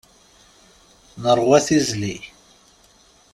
Nerwa tizli.